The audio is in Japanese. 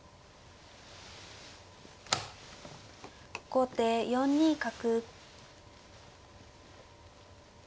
後手４二角。